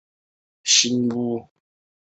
由豫剧流入徐州地区后发展而成。